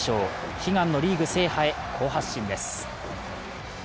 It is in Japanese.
悲願のリーグ制覇へ好発進です。